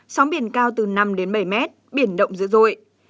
sóng biển cao từ năm bảy m biển động dữ dội